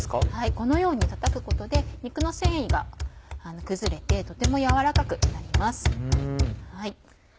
このように叩くことで肉の繊維が崩れてとてもやわらかくなります。